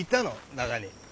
中に。